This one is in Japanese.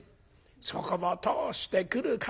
そこを通してくる風